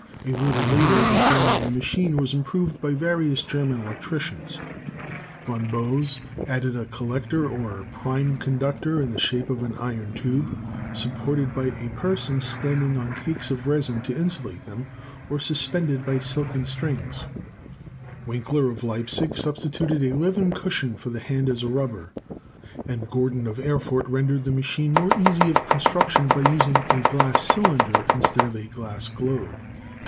A little later the form of the machine was im ELECTROSTATICS 167 proved by various German electricians; Von Bose added a collector or "prime conductor," in the shape of an iron tube, supported by a person standing on cakes of resin to insulate them, or suspended by silken strings ; Winckler of Leipzig substituted a leathern cushion for the hand as a rubber ; and Gordon of Erfurt rendered the machine more easy of construction by using a glass cylinder instead of a glass globe.